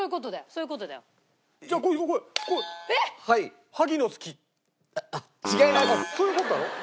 そういう事だろ？